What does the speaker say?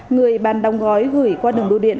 người bàn đồng gói gửi qua đường bưu điện